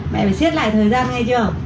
mẹ phải xiết lại thời gian nghe chưa